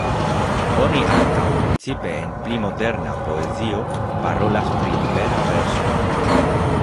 Oni ankaŭ, precipe en pli "moderna" poezio, parolas pri libera verso.